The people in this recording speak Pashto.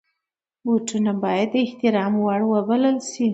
بوټونه باید د احترام وړ وبلل شي.